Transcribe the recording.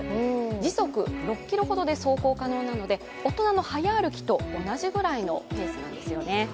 時速６キロほどで走行可能なので、大人の早歩きと同じぐらいのペースなんですよね。